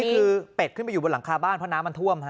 คือเป็ดขึ้นไปอยู่บนหลังคาบ้านเพราะน้ำมันท่วมฮะ